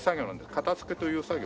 型付けという作業。